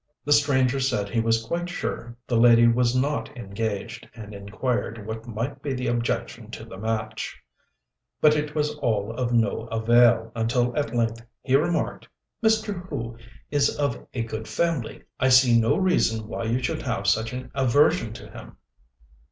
The stranger said he was quite sure the young lady was not engaged, and inquired what might be the objection to the match: but it was all of no avail, until at length he remarked, "Mr. Hu is of a good family; I see no reason why you should have such an aversion to him."